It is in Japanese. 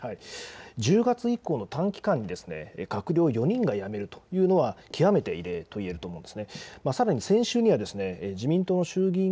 １０月以降の短期間に閣僚４人が辞めるというのは極めて異例と言えると思うんです。